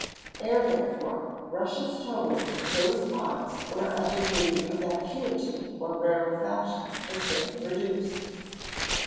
Air, therefore, rushes towards those parts where a degree of vacuity or rarefaction has been produced.